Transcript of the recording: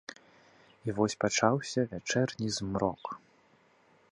І вось пачаўся вячэрні змрок.